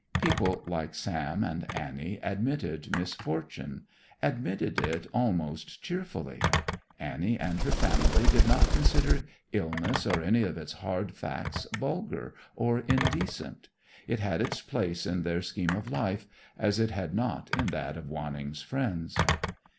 People like Sam and Annie admitted misfortune, admitted it almost cheerfully. Annie and her family did not consider illness or any of its hard facts vulgar or indecent. It had its place in their scheme of life, as it had not in that of Wanning's friends.